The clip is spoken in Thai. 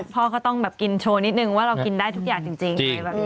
พ่อก็ต้องแบบกินโชว์นิดนึงว่าเรากินได้ทุกอย่างจริง